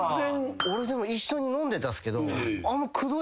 俺一緒に飲んでたっすけど。